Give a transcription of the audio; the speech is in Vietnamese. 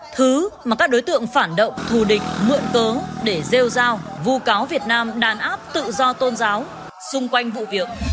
thứ mà các đối tượng phản động thù địch muộn cố để rêu rao vụ cáo việt nam đàn áp tự do tôn giáo xung quanh vụ việc